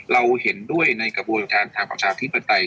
เราเห็นด้วยในกระบวนการทางประชาธิปไตย